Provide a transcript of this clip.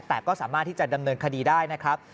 แต่ก็สามารถที่จะดำเนินคดีได้นะครับ